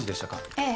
ええ。